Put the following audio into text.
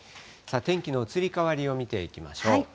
天気の移り変わりを見ていきましょう。